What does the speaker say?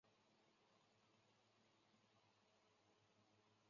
默耶人口变化图示